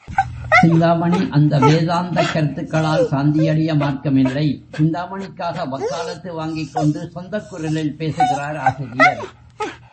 சிந்தாமணி அந்த வேதாந்தக் கருத்துக்களால் சாந்தியடைய மார்க்கமில்லை!... சிந்தாமணிக்காக வக்காலத்து வாங்கிக் கொண்டு சொந்தக் குரலில் பேசுகிறார் ஆசிரியர்.